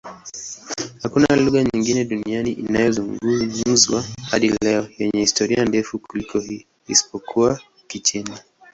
Hakuna lugha nyingine duniani inayozungumzwa hadi leo yenye historia ndefu kuliko hii, isipokuwa Kichina.